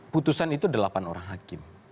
putusan itu delapan orang hakim